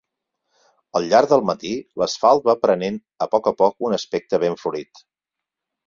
Al llarg del matí, l’asfalt va prenent a poc a poc un aspecte ben florit.